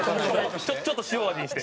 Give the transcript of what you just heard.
ちょっと塩味にして。